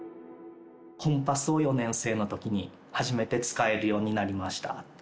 コンパスを４年生のとき、初めて使えるようになりました。